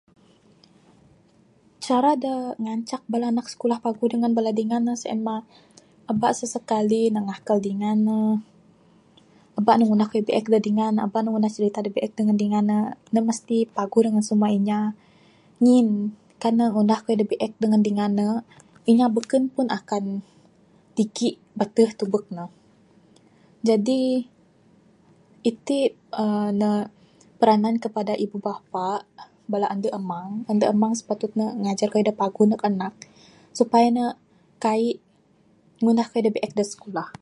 Cara da ngancak bala anak skulah paguh dengan bala dingan ne sien mah aba sesekali ne ngakel dingan ne, aba ne ngunah kayuh biek da dingan ne, aba ne ngunah crita da biek neg dingan ne, ne mesti paguh dengan semua inya ngin kan ne ngunah kayuh da biek dengan dingan ne, inya beken pun akan piki bateh tebek ne. Jadi, iti aaa ne peranan kepada ibu bapa bala ande amang, ande amang spatut ne ngajar kayuh da paguh neg anak supaya ne kaik ngunah kayuh da biek da skulah.